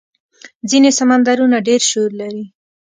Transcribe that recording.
ځینې سمندرونه ډېر شور لري.